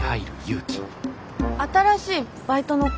新しいバイトの子？